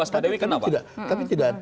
tapi ibu astaga dewi kenapa